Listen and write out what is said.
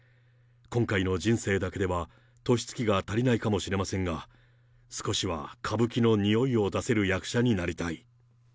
今回の人生だけでは、年月が足りないかもしれませんが、少しは歌舞伎のにおいを出せる役者になりたい。